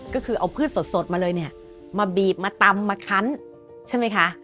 ก็คือเอาพืชสดมาเลยเนี่ยมาบีบมาตำมาคั้นใช่ไหมคะ